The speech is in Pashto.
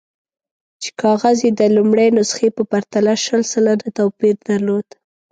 چې کاغذ یې د لومړۍ نسخې په پرتله شل سلنه توپیر درلود.